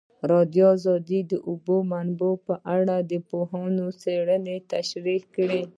ازادي راډیو د د اوبو منابع په اړه د پوهانو څېړنې تشریح کړې.